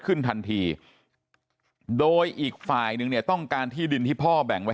ขึ้นทันทีโดยอีกฝ่ายนึงเนี่ยต้องการที่ดินที่พ่อแบ่งไว้